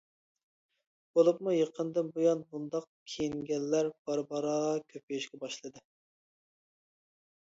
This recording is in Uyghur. بولۇپمۇ يېقىندىن بۇيان بۇنداق كىيىنگەنلەر بارا-بارا كۆپىيىشكە باشلىدى.